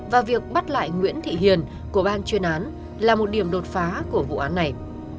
và việc bắt lại nguyễn thị hiền của ban chuyên án là một điểm đột phá của vụ án này